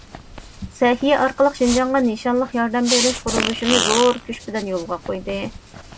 سەھىيە ئارقىلىق شىنجاڭغا نىشانلىق ياردەم بېرىش قۇرۇلۇشىنى زور كۈچ بىلەن يولغا قويدى.